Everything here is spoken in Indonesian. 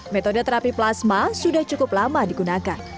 metode terapi plasma sudah cukup lama digunakan